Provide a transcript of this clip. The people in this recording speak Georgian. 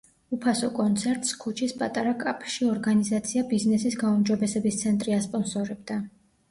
უფასო კონცერტს ქუჩის პატარა კაფეში ორგანიზაცია -„ბიზნესის გაუმჯობესების ცენტრი“- ასპონსორებდა.